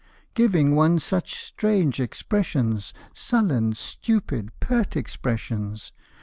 Giving one such strange expressions Sullen, stupid, pert expressions.